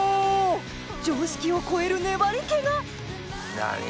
常識を超える粘り気が何？